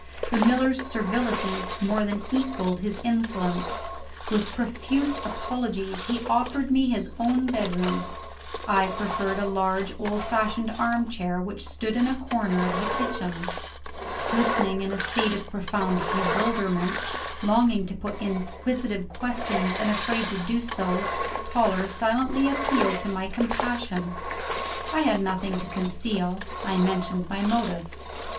The miller's servility more than equalled his insolence. With profuse apologies, he offered me his own bedroom. I preferred a large old fashioned armchair which stood in a corner of the kitchen. Listening in a state of profound bewilderment longing to put inquisitive questions, and afraid to do so Toller silently appealed to my compassion. I had nothing to conceal; I mentioned my motive.